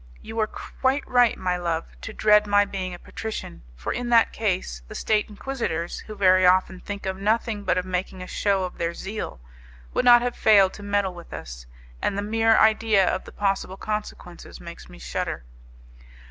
You were quite right, my love, to dread my being a patrician, for in that case the State Inquisitors, who very often think of nothing but of making a show of their zeal, would not have failed to meddle with us, and the mere idea of the possible consequences makes me shudder.